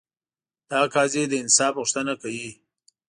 دا قاضي د انصاف غوښتنه کوي.